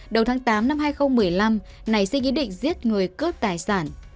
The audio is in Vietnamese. đầu tháng tám năm hai nghìn một mươi năm này xin ý định giết người cướp tài sản